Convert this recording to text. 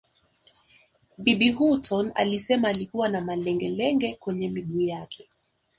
Bibi Hutton alisema alikuwa na malengelenge kwenye miguu yake